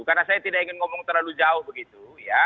karena saya tidak ingin ngomong terlalu jauh begitu